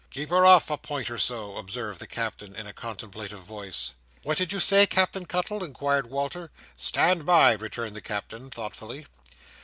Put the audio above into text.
"Keep her off a point or so!" observed the Captain, in a contemplative voice. "What did you say, Captain Cuttle?" inquired Walter. "Stand by!" returned the Captain, thoughtfully.